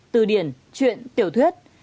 từ điển chuyện